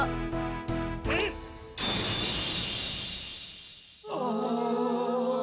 うん！ああ。